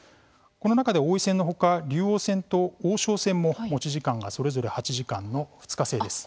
この中で王位戦の他竜王戦と王将戦も持ち時間がそれぞれ８時間の２日制です。